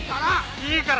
いいから。